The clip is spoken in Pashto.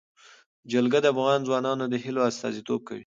جلګه د افغان ځوانانو د هیلو استازیتوب کوي.